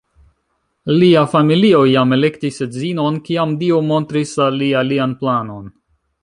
Lia familio jam elektis edzinon, kiam Dio montris al li alian planon.